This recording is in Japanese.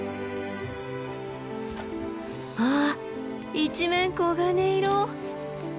わあ一面黄金色！